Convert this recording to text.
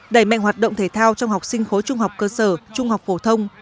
đẩy mạnh hoạt động thể thao trong học sinh khối trung học cơ sở trung học phổ thông